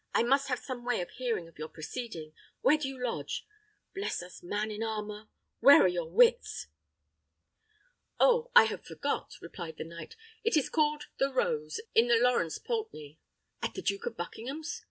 I must have some way of hearing of your proceeding: where do you lodge? Bless us, man in armour! where are your wits?" "Oh! I had forgot," replied the knight; "it is called the Rose, in the Laurence Poultney." "At the Duke of Buckingham's!